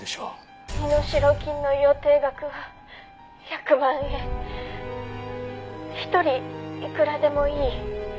「身代金の予定額は１００万円」「１人いくらでもいい」